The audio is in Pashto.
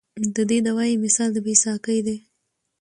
د دې دوائي مثال د بې ساکۍ دے